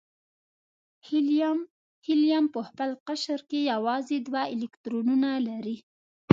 هیلیم په خپل قشر کې یوازې دوه الکترونونه لري.